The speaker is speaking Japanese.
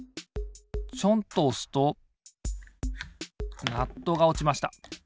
ちょんとおすとナットがおちました。